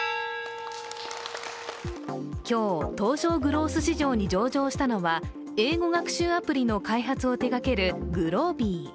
今日、東証グロース市場に上場したのは英語学習アプリの開発を手がけるＧｌｏｂｅｅ。